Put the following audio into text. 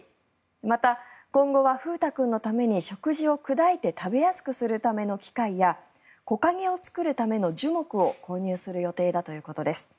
また、今後は風太君のために食事を砕いて食べやすくするための機械や木陰を作るための樹木を購入する予定だということです。